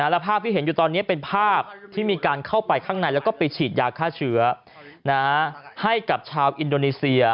และภาพที่เห็นอยู่ตอนนี้เป็นภาพที่มีการเข้าไปข้างในแล้วก็ไปฉีดยาฆ่าเชื้อให้กับชาวอินโดนีเซีย